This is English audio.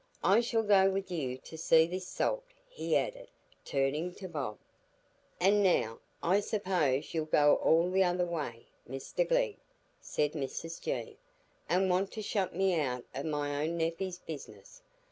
I shall go with you to see this Salt," he added, turning to Bob. "And now, I suppose, you'll go all the other way, Mr Glegg," said Mrs G., "and want to shut me out o' my own nephey's business.